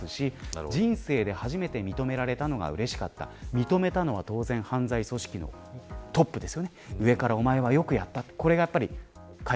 認めたのは当然犯罪組織のトップです。